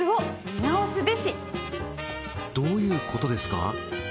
どういうことですか？